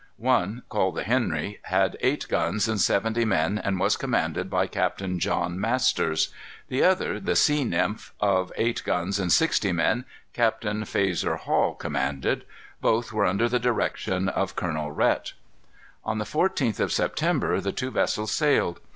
One, called the Henry, had eight guns and seventy men and was commanded by Captain John Masters. The other, the Sea Nymph, of eight guns and sixty men, Captain Fayser Hall commanded. Both were under the direction of Colonel Rhet. On the 14th of September the two vessels sailed.